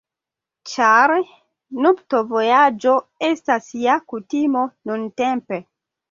Ĉar nuptovojaĝo estas ja kutimo nuntempe.